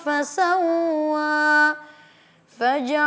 aku mau bekerja